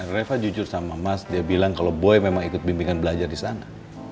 reva jujur sama mas dia bilang kalau boy memang ikut bimbingan belajar di sana